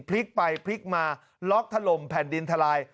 พลิกไปพลิกมาล็อกถล่มแผ่นดินทลาย